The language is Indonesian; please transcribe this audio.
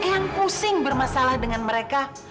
yang pusing bermasalah dengan mereka